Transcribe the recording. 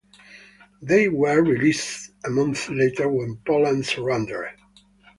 They were released a month later when Poland surrendered.